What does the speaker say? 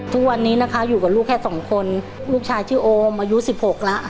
ทุกวันนี้นะคะอยู่กับลูกแค่สองคนลูกชายชื่อโอมอายุ๑๖แล้ว